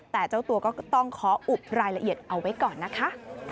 แต่เจ้าตัวก็ต้องขออุบรายละเอียดเอาไว้ก่อนนะคะ